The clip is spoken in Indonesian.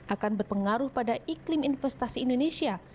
akan berpengaruh pada iklim investasi indonesia